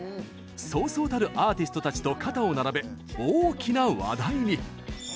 そうそうたるアーティストたちと肩を並べ、大きな話題に。